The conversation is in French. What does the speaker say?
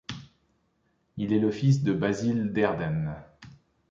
Il est le fils de Basil Dearden.